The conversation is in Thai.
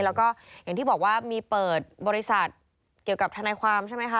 แล้วก็อย่างที่บอกว่ามีเปิดบริษัทเกี่ยวกับทนายความใช่ไหมคะ